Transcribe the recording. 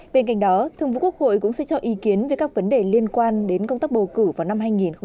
bên cạnh đó thường vụ quốc hội cũng sẽ cho ý kiến về các vấn đề liên quan đến công tác bầu cử vào năm hai nghìn hai mươi